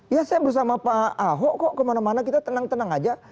ya saya bersama pak ahok kok kemana mana kita tenang tenang aja